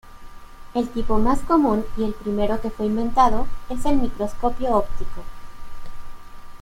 El tipo más común y el primero que fue inventado es el microscopio óptico.